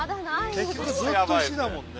結局ずっと石だもんね。